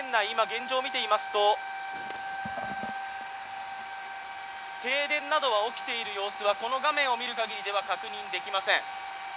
今、現状を見ていますと、停電などは起きている様子はこの画面を見る限りでは確認できません